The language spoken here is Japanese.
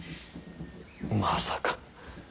まさか。